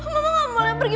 ma mama gak mau lagi pergi